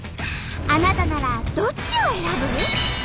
あなたならどっちを選ぶ？